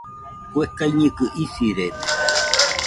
Kue kaiñɨkɨ isirede